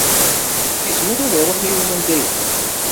Yezmer ad iruḥ yiwen anda yebɣa.